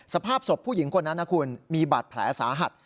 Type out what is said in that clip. สภาพศพผู้หญิงคนนั้นนะคุณมีบาดแผลสาหัส